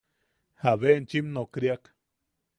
–¿Jabe enchim nokriak?